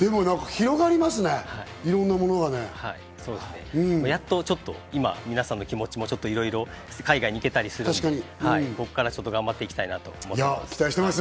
広がりますね、いろんなものやっとちょっと今、皆さんの気持ちもいろいろ海外に行けたりするので、ここからちょっと頑張っていきたいなと思っています。